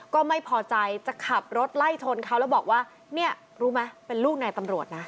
ก็ไม่พอใจจะขับรถไล่ชนเขาแล้วบอกว่าเนี่ยรู้ไหมเป็นลูกนายตำรวจนะ